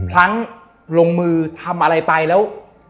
พลั้งลงมือทำอะไรไปแล้ว